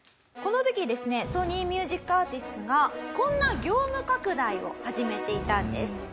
この時ですねソニー・ミュージックアーティスツがこんな業務拡大を始めていたんです。